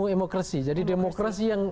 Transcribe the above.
emokrasi jadi demokrasi yang